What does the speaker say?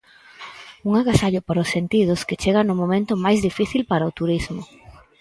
Un agasallo para os sentidos que chega no momento máis difícil para o turismo.